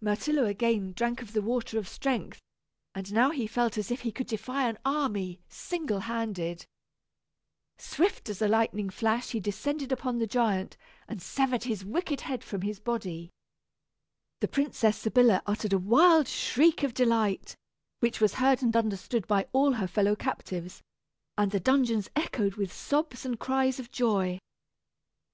Myrtillo again drank of the water of strength, and now he felt as if he could defy an army, single handed. Swift as a lightning flash he descended upon the giant, and severed his wicked head from his body. The Princess Sybilla uttered a wild shriek of delight, which was heard and understood by all her fellow captives, and the dungeons echoed with sobs and cries of joy.